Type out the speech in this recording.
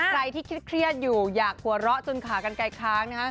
ใครที่เครียดอยู่อยากหัวเราะจนขากันไกลค้าง